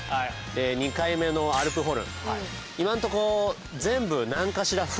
２回目のアルプホルン。